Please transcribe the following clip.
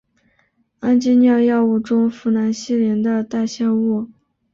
氨基脲药物中呋喃西林的代谢物。